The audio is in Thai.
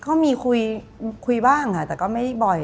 ก็มีคุยบ้างค่ะแต่ก็ไม่บ่อย